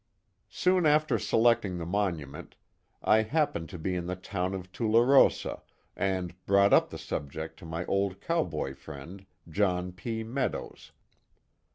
Soon after selecting the monument, I happened to be in the town of Tularosa, and brought up the subject to my old cowboy friend, John P. Meadows.